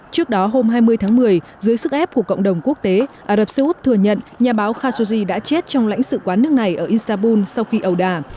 trước đó hôm hai mươi tháng một mươi dưới sức ép của cộng đồng quốc tế ả rập xê út thừa nhận nhà báo khashoggi đã chết trong lãnh sự quán nước này ở istanbul sau khi ầu đà